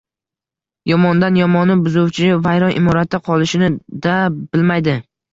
Yomondan-yomoni — buzuvchi vayron imoratda qolishini-da bilmaydi